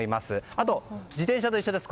あと、自転車と一緒です。